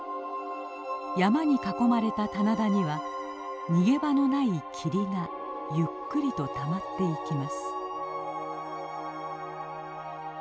山に囲まれた棚田には逃げ場のない霧がゆっくりとたまっていきます。